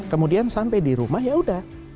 kemudian sampai di rumah ya udah